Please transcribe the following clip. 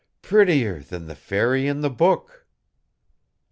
"Prettier than the fairy in the book!"